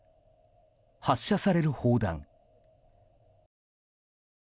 発射される砲弾。